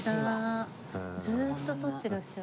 ずっと取ってらっしゃる。